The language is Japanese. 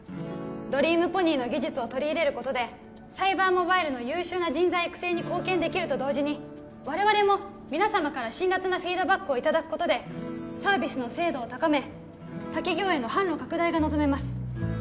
ドリームポニーの技術を取り入れることでサイバーモバイルの優秀な人材育成に貢献できると同時に我々も皆様から辛辣なフィードバックをいただくことでサービスの精度を高め他企業への販路拡大が望めます